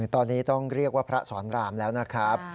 ตอนนี้ต้องเรียกว่าพระสอนรามแล้วนะครับ